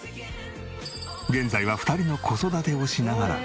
現在は２人の子育てをしながら。